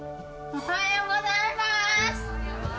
おはようございます。